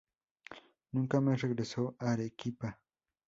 Nunca más regresó a Arequipa.